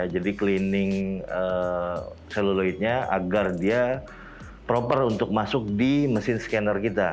jadi cleaning seluloidnya agar dia proper untuk masuk di mesin scanner kita